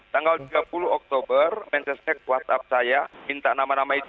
tanggal tiga puluh oktober mensesnek whatsapp saya minta nama nama itu